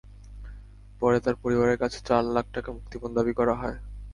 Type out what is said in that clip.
পরে তাঁর পরিবারের কাছে চার লাখ টাকা মুক্তিপণ দাবি করা হয়।